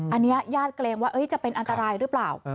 อันนี้ญาติเกรงว่าจะเป็นอันตรายหรือเปล่า